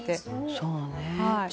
「そうね」